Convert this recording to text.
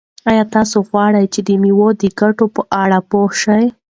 آیا تاسو غواړئ چې د مېوو د ګټو په اړه پوه شئ؟